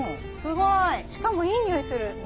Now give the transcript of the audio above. すごい！しかもいい匂いする。